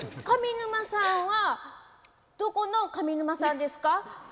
上沼さんはどこの上沼さんですか？